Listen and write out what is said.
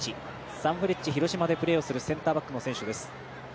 サンフレッチェ広島でプレーをするセンターバックの選手です。